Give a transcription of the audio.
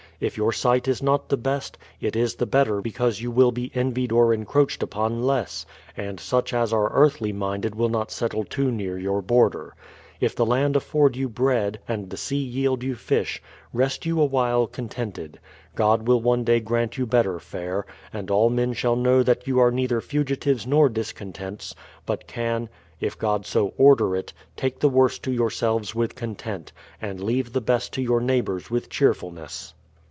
If your site is not the best, it is the better because you will be envied or encroached upon less, and such as are earthly minded will not settle too near your border. If the land afford you bread, and the sea yield you fish, rest j'ou awhile con tented. God will one day grant you better fare ; and all men shall know that you are neither fugitives nor discontents, but can, if God so order it, take the v/orst to yourselves with content, and leave the best to your neighbours with cheerfulness.